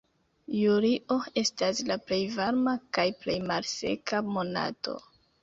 Julio estas la plej varma kaj plej malseka monato.